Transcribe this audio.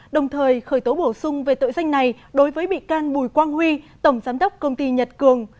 đồng thời khởi tố bổ sung về tội danh này đối với bị can bùi quang huy tổng giám đốc công ty nhật cường